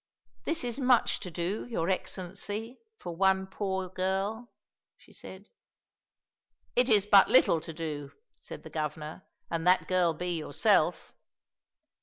"This is much to do, your Excellency, for one poor girl," she said. "It is but little to do," said the Governor, "and that girl be yourself."